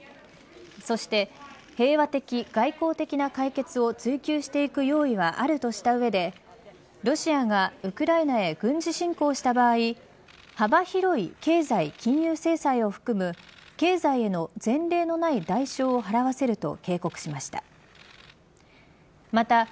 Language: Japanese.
そして平和的外交的な解決を追及していく用意はあるとした上でロシアがウクライナで軍事侵攻した場合幅広い経済金融制裁を含む経済への前例のない代償を払わせると警告しました。